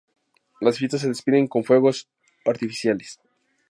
Las fiestas se despiden con fuegos artificiales.